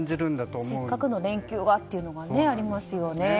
せっかくの連休がというのがありますよね。